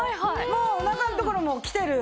もうおなかのところもきてる。